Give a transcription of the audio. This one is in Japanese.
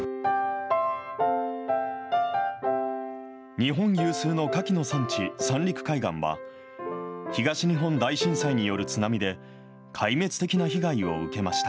日本有数のかきの産地、三陸海岸は、東日本大震災による津波で、壊滅的な被害を受けました。